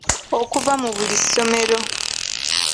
Okuva mu buli ssomero.